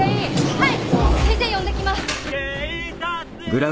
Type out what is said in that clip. はい。